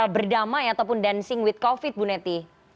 berdamai ataupun dancing with covid bu neti